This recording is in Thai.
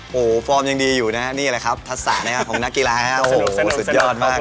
โหฟอร์มยังดีอยู่นะครับนี่อะไรครับทัศนนะครับของนักกีฬาฮะโหตุดยอดมาก